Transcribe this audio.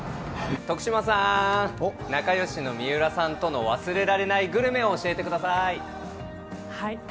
徳島さん、仲よしの水卜さんとの忘れられないグルメを教えてください。